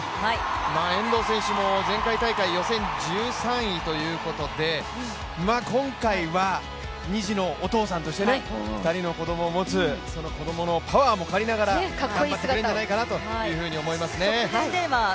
遠藤選手も前回大会予選１３位ということで今回は２児のお父さんとして、２人の子供を持つ、その子供のパワーも借りながら頑張ってくれるんじゃないかなと思いますね。